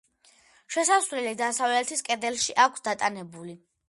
შესასვლელი დასავლეთის კედელში აქვს დატანებული.